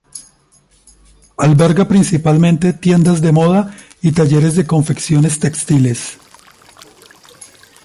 Alberga principalmente tiendas de moda y talleres de confecciones textiles.